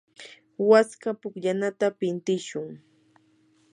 waska pukllanata pintishun.